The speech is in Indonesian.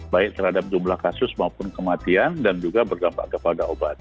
baik terhadap jumlah kasus maupun kematian dan juga berdampak kepada obat